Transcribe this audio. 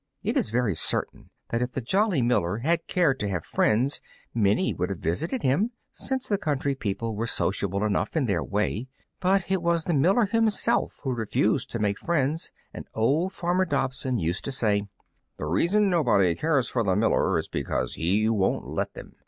It is very certain that if the jolly miller had cared to have friends many would have visited him, since the country people were sociable enough in their way; but it was the miller himself who refused to make friends, and old Farmer Dobson used to say, "The reason nobody cares for the miller is because he won't let them.